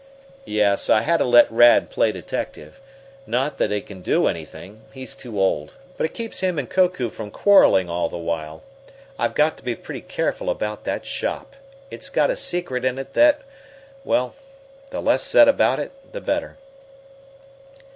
"Yes, I had to let Rad play detective. Not that he can do anything he's too old. But it keeps him and Koku from quarreling all the while. I've got to be pretty careful about that shop. It's got a secret in it that Well, the less said about it the better."